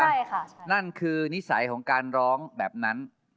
ใช่ค่ะนั่นคือนิสัยของการร้องแบบนั้น